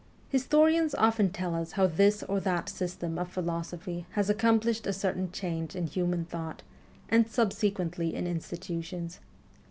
Historians often tell us how this or that system of philosophy has accomplished a certain change in human thought, and subsequently in institutions.